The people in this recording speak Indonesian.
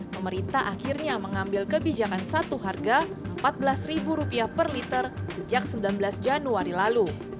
pemerintah akhirnya mengambil kebijakan satu harga rp empat belas per liter sejak sembilan belas januari lalu